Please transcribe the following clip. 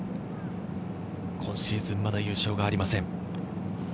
今シーズン、まだ優勝がありません。